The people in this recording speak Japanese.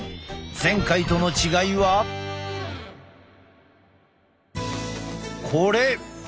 前回との違いはこれ！